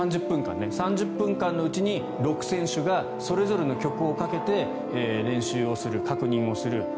３０分間のうちに６選手がそれぞれの曲をかけて練習をする、確認をする。